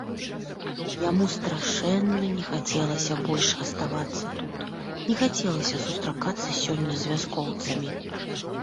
Яму страшэнна не хацелася больш аставацца тут, не хацелася сустракацца сёння з вяскоўцамі.